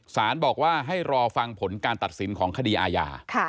สารบอกว่าให้รอฟังผลการตัดสินของคดีอาญา